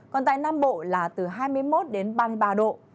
còn tại nam bộ là từ hai mươi một đến ba mươi ba độ